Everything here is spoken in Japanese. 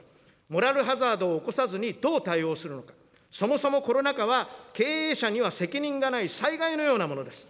モラルハザードを起こさずに、どう対応するのか、そもそもコロナ禍は経営者には責任がない災害のようなものです。